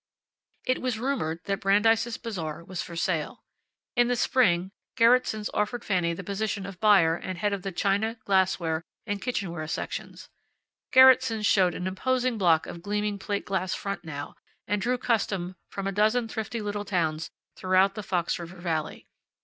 It was rumored that Brandeis' Bazaar was for sale. In the spring Gerretson's offered Fanny the position of buyer and head of the china, glassware, and kitchenware sections. Gerretson's showed an imposing block of gleaming plate glass front now, and drew custom from a dozen thrifty little towns throughout the Fox River Valley.